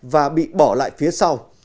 và bị bỏ lại phía sau